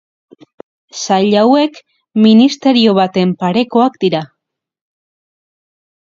Sail hauek ministerio baten parekoak dira.